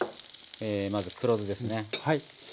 まず黒酢ですね。